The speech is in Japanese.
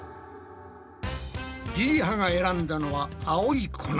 りりはが選んだのは青い粉だ。